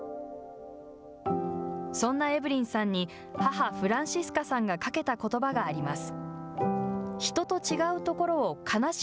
そんなエブリンさんに母・フランシスカさんがかけたことばがあります。